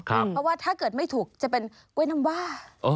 เพราะว่าถ้าเกิดไม่ถูกจะเป็นกล้วยน้ำว่า